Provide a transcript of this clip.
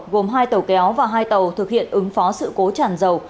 gồm hai tàu kéo và hai tàu thực hiện ứng phó sự cố tràn dầu